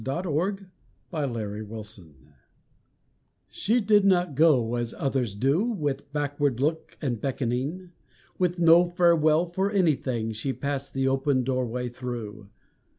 For One Who Went in Spring SHE did not go, as others do, With backward look and beckoning; With no farewell for anything She passed the open doorway through.